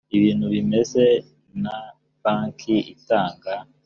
ibintu bimeze na banki itanga